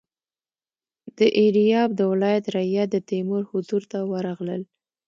د ایریاب د ولایت رعیت د تیمور حضور ته ورغلل.